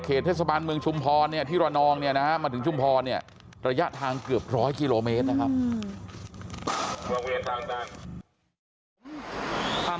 เทศบาลเมืองชุมพรเนี่ยที่ระนองเนี่ยนะฮะมาถึงชุมพรเนี่ยระยะทางเกือบร้อยกิโลเมตรนะครับ